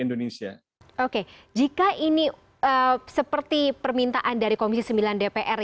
oke jika ini seperti permintaan dari komisi sembilan dpr